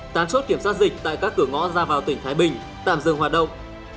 tám chốt kiểm soát dịch tại các cửa ngõ ra vào tỉnh thái bình tạm dừng hoạt động